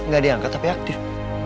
gak diangkat tapi aktif